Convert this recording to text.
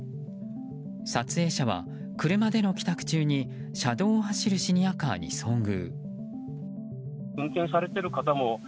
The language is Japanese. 撮影者は車での帰宅中に車道を走るシニアカーに遭遇。